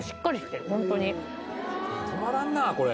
たまらんなこれ。